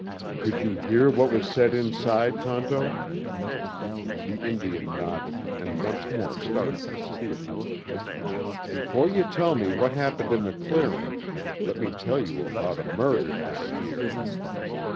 "Could you hear what was said inside, Tonto?" The Indian nodded, and once more started to speak. "Before you tell me what happened in the clearing, let me tell you about a murder down here."